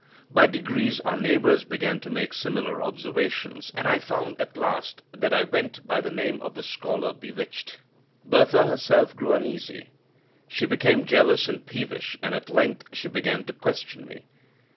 By degrees our neighbors began to make similar observations, and I found at last that I went by the name of the Scholar bewitched. Bertha herself grew uneasy. She became jealous and peevish, and at length she began to question me.